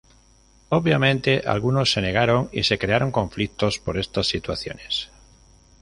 Obviamente algunos se negaron y se crearon conflictos por estas situaciones.